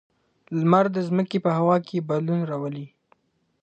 لمر د ځمکې په هوا کې بدلون راولي.